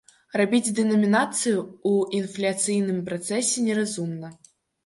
Рабіць дэнамінацыю ў інфляцыйным працэсе неразумна.